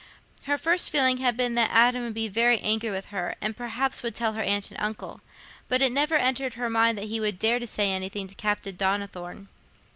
Her first feeling had been that Adam would be very angry with her, and perhaps would tell her aunt and uncle, but it never entered her mind that he would dare to say anything to Captain Donnithorne.